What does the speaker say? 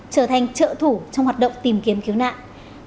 trở thành trợ thủ trong hoạt động tìm kiếm cứu nạn